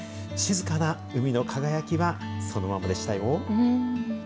静かな海の輝きはそのままでしたよ。